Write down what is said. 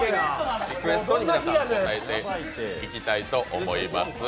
リクエストに応えていきたいと思います。